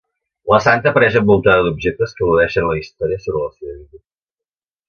La santa apareix envoltada d'objectes que al·ludeixen a la història sobre la seva vida.